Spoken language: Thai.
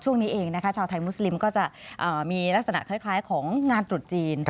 ช่วงนี้เองนะคะชาวไทยมุสลิมก็จะมีลักษณะคล้ายของงานตรุษจีน